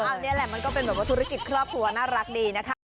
อันนี้แหละมันก็เป็นแบบว่าธุรกิจครอบครัวน่ารักดีนะคะ